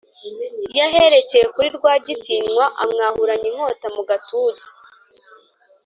yahereye kuri rwagitinywa amwahuranya inkota mugatuza